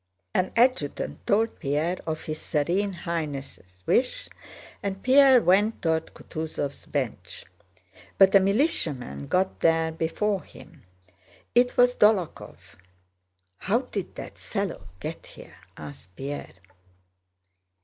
An adjutant told Pierre of his Serene Highness' wish, and Pierre went toward Kutúzov's bench. But a militiaman got there before him. It was Dólokhov. "How did that fellow get here?" asked Pierre.